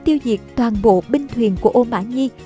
tiêu diệt toàn bộ binh thuyền của ô mã nhi